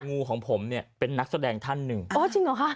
งูของผมเนี่ยเป็นนักแสดงท่านหนึ่งอ๋อจริงเหรอคะ